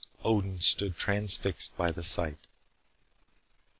Odin stood transfixed by the sight.